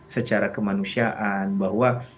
secara kemanusiaan bahwa